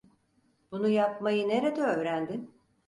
Bunu yapmayı nerede öğrendin?